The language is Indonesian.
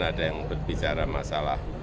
ada yang berbicara masalah